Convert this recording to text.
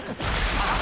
あっ！